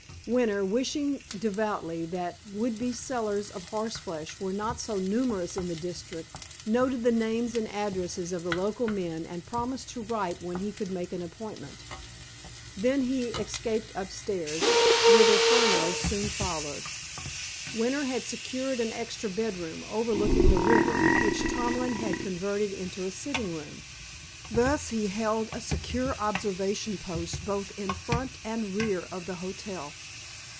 Winter, wishing devoutly that would be sellers of horseflesh were not so numerous in the district, noted the names and addresses of the local men, and promised to write when he could make an appointment. Then he escaped upstairs, whither Furneaux soon followed. Winter had secured an extra bedroom, overlooking the river, which Tomlin had converted into a sitting room. Thus, he held a secure observation post both in front and rear of the hotel.